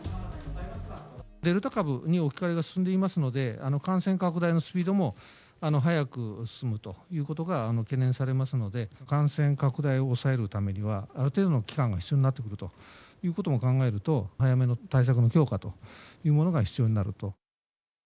デルタ株に置き換えが進んでいますので、感染拡大のスピードも、速く進むということが懸念されますので、感染拡大を抑えるためには、ある程度の期間が必要になってくるということも考えると、早めの対策の強化というものが必要になると。